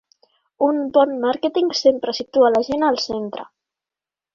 Un bon màrqueting sempre situa la gent al centre.